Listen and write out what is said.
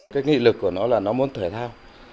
cái nghị lực của nó là nó muốn thể thao